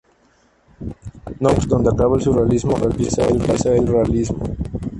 No obstante, donde acaba el surrealismo empieza el realismo.